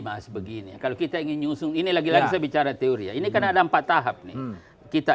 mas begini kalau kita ingin nyusun ini lagi lagi bicara teori ini karena ada empat tahap nih kita